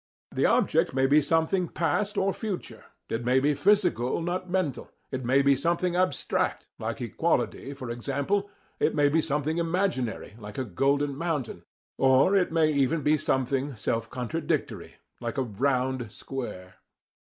The object may be something past or future; it may be physical, not mental; it may be something abstract, like equality for example; it may be something imaginary, like a golden mountain; or it may even be something self contradictory, like a round square.